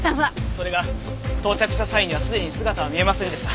それが到着した際にはすでに姿は見えませんでした。